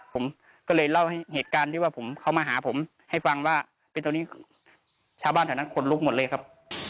ผมก็เลยเล่าให้เหตุการณ์ที่ว่าผมเข้ามาหาผมให้ฟังว่าเป็นตรงนี้ชาวบ้านแถวนั้นขนลุกหมดเลยครับ